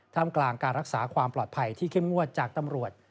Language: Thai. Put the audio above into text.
กลางการรักษาความปลอดภัยที่เข้มงวดจากตำรวจ